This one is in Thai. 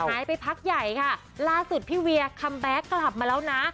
หายไปพักใหญ่ค่ะล่าสุดพี่เวียคัมแบ็คกลับมาแล้วนะ